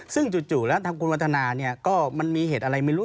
ซึ่งจู่แล้วทางคุณวัฒนาเนี่ยก็มันมีเหตุอะไรไม่รู้